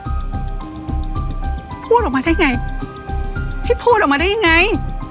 พูดออกมาได้ไงพี่พูดออกมาได้ยังไง